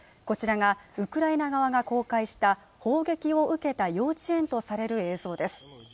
こちらがウクライナ側が公開した砲撃を受けた幼稚園とされる映像です